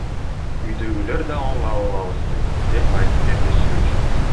Үйдөгүлөр да оң кабыл алышты, — деп айтып берди сүрөтчү кыз.